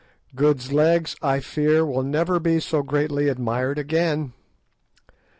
Good's legs, I fear, will never be so greatly admired again.